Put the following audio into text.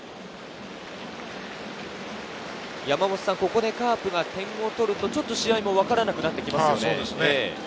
ここでカープが点を取ると、ちょっと試合もわからなくなってきますよね。